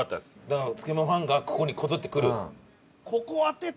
だからつけめんファンがここにこぞって来る。